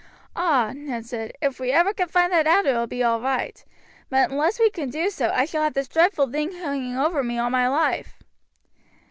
"Ah!" Ned said, "if we ever find that out it will be all right; but unless we can do so I shall have this dreadful thing hanging over me all my life."